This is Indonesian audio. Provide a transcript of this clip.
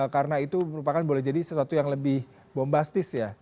karena itu merupakan boleh jadi sesuatu yang lebih bombastis ya